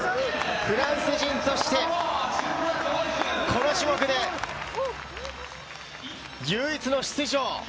フランス人としてこの種目で唯一の出場。